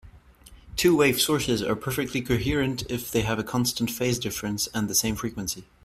Two-wave sources are perfectly coherent if they have a constant phase difference and the same frequency.